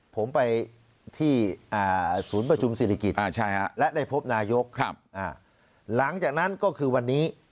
ผมไปที่ศูนย์ประชุมศิริกิจและได้พบนายกหลังจากนั้นก็คือวันนี้